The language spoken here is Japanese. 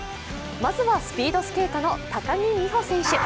まずはスピードスケートの高木美帆選手。